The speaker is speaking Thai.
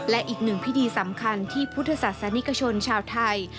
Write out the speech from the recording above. และอีกหนึ่งพิธีสำคัญที่พุทธศาสนิกชนชาวไทย